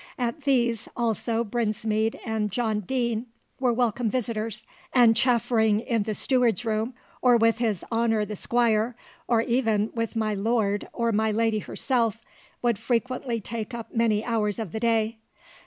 At these also Brinsmead and John Deane were welcome visitors, and chaffering in the steward's room, or with his honour the squire, or even with my lord or my lady herself, would frequently take up many hours of the day.